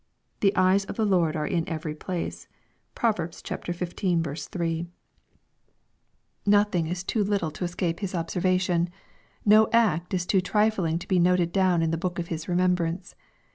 " The eyes of the Lord. are in every place." (Prov. xv. 3.) Nothing LUKE, CHAP. XXI. 351 is too little to esca]ie His observation. No act is too trifling to be uoied down in the book of His remem brance.